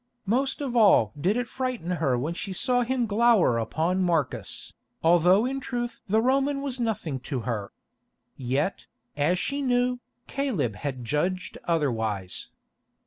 Most of all did it frighten her when she saw him glower upon Marcus, although in truth the Roman was nothing to her. Yet, as she knew, Caleb had judged otherwise.